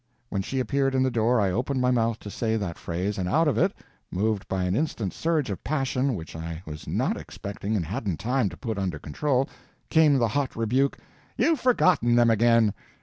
When she appeared in the door I opened my mouth to say that phrase—and out of it, moved by an instant surge of passion which I was not expecting and hadn't time to put under control, came the hot rebuke, "You've forgotten them again!"